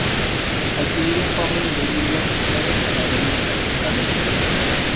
Adquirieron fama a nivel mundial gracias a la revista Kerrang!